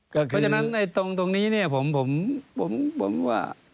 เพราะฉะนั้นในตรงนี้เนี่ยผมว่า